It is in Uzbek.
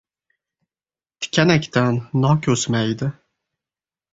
• Tikanakdan nok o‘smaydi.